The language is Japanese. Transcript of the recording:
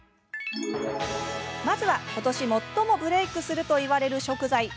まずは、ことし最もブレークするといわれる食材。